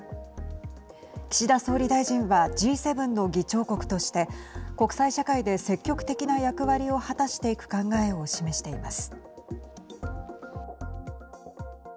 岸田総理大臣はＧ７の議長国として国際社会で積極的な役割を果たしていく考えを示しています。